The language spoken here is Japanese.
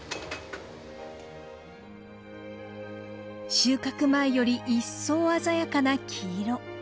収穫前より一層鮮やかな黄色。